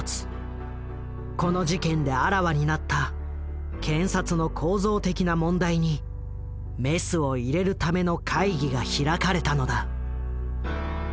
この事件であらわになった検察の構造的な問題にメスを入れるための会議が開かれたのだ。